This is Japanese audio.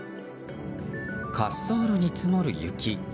滑走路に積もる雪。